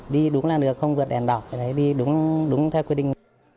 đi đúng là được không vượt đèn đỏ đấy đi đúng theo quy định